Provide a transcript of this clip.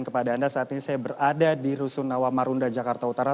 kepada anda saat ini saya berada di rusunawa marunda jakarta utara